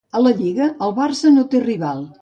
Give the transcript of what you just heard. A la lliga, el Barça no té rival.